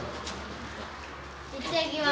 いってきます。